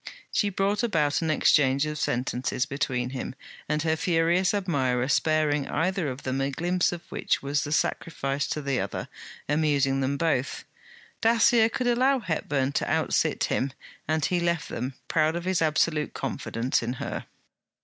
She brought about an exchange of sentences between him and her furious admirer, sparing either of them a glimpse of which was the sacrifice to the other, amusing them both. Dacier could allow Mr. Hepburn to outsit him; and he left them, proud of his absolute confidence in her.